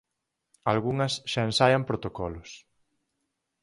Algunhas xa ensaian protocolos.